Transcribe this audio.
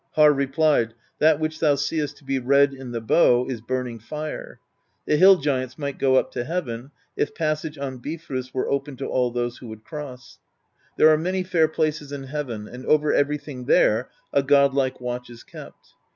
Harr replied: "That which thou seest to be red in the bow is burning fire; the Hill Giants might go up to heaven, if pas sage on Bifrost were open to all those who would cross. There are many fair places in heaven, and over everything there a godlike watch is kept.